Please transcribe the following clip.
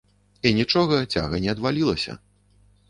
І нічога, цяга не адвалілася.